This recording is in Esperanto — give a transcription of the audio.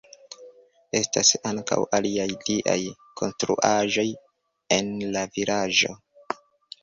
Estas ankaŭ aliaj tiaj konstruaĵoj en la vilaĝo.